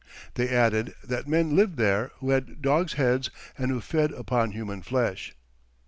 They added that men lived there who had dogs' heads, and who fed upon human flesh.